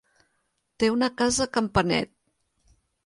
Té una casa a Campanet.